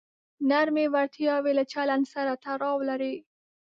نرمې وړتیاوې له چلند سره تړاو لري.